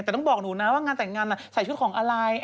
แต่ต้องบอกหนูนะว่างานแต่งงานใส่ชุดของอะไร